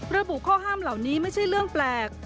ระบุข้อห้ามเหล่านี้ไม่ใช่เรื่องแปลก